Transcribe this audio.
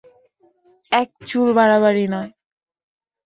এক চুল বাড়াবাড়ি নয়।